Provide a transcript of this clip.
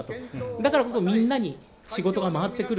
だからこそみんなに仕事が回ってくる。